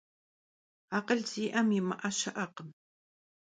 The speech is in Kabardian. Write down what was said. Akhıl zi'em yimı'e şı'ekhım.